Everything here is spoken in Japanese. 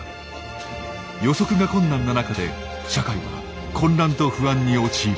予測が困難な中で社会は混乱と不安に陥ります。